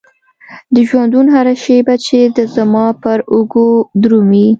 د ژوندون هره شيبه چې د زمان پر اوږو درومي.